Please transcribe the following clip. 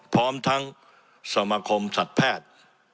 พร้อมทั้งสมาคมสัตว์แพทย์